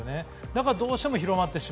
だからどうしても広まる。